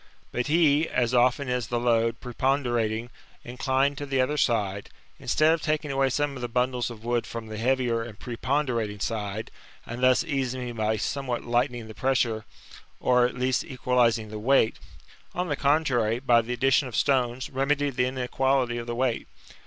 But he, as often as the load, preponderating, inclined to the other side, instead of taking away some of the bundles of wood from the heavier and preponderating side, and thus easing me by somewhat lightening the pressure, or at least equalizing the weight, on the contrary, by the addition of stones, remedied the inequality of the weight.